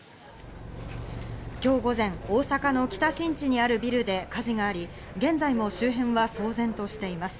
今日午前、大阪の北新地にあるビルで火事があり、現在も周辺は騒然としています。